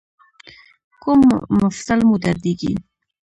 کوم مفصل مو دردیږي؟